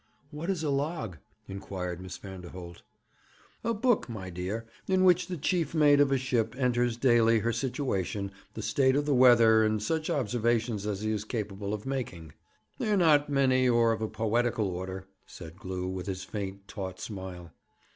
'What is a log?' inquired Miss Vanderholt. 'A book, my dear, in which the chief mate of a ship enters daily her situation, the state of the weather, and such observations as he is capable of making.' 'They are not many, or of a poetical order,' said Glew, with his faint taut smile.